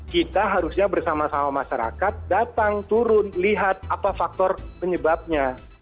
kita harusnya bersama sama masyarakat datang turun lihat apa faktor penyebabnya